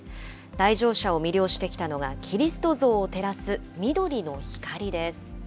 来場者を魅了してきたのが、キリスト像を照らす緑の光です。